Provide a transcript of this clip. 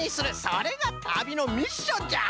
それが旅のミッションじゃ！